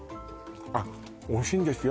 あっおいしいんですよ